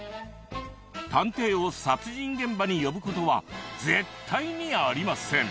探偵を殺人現場に呼ぶことは絶対にありません。